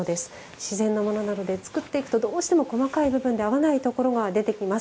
自然のものなどで作っていくとどうしても細かい部分で合わないところが出てきます。